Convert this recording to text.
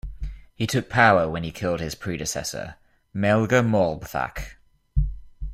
He took power when he killed his predecessor, Meilge Molbthach.